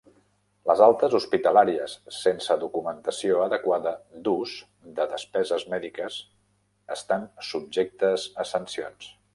Les altes hospitalàries sense documentació adequada d'ús de despeses mèdiques estan subjectes a sancions.